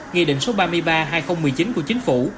nghị định số ba mươi ba hai nghìn một mươi chín của chính phủ